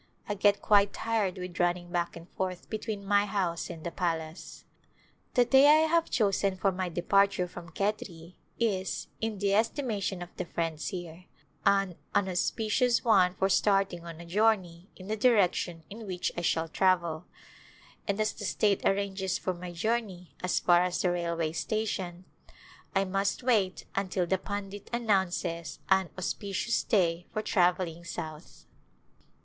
I get quite tired with running back and forth between my house and the palace. The day I have chosen for my departure from Khetri is, in the estimation of the friends here, an unauspicious one for starting on a journey in the direction in which I shall travel, and as the state ar ranges for my journey as far as the railway station, I must wait until the pundit announces an auspicious day for travelling south.